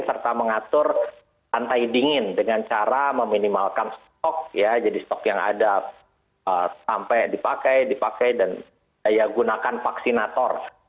serta mengatur lantai dingin dengan cara meminimalkan stok ya jadi stok yang ada sampai dipakai dipakai dan daya gunakan vaksinator